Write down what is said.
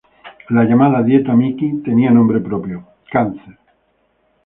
La llamada "dieta Micky" tenía nombre propio: cáncer.